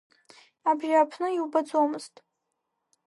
Абжьааԥны иубаӡомызт.